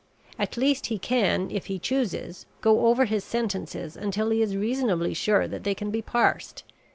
At least he can, if he chooses, go over his sentences until he is reasonably sure that they can be parsed.